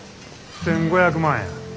１，５００万や。